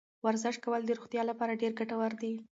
ورزش کول د روغتیا لپاره ډېر ګټور دی.